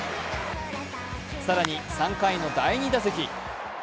更に３回の第２打席。